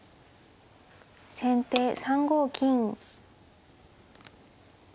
先手３五金。